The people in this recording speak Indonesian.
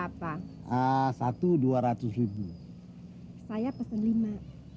kau mau tonton film teman